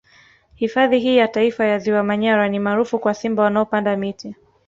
Hifadhi hii ya Taifa ya Ziwa Manyara ni maarufu kwa Simba wanaopanda miti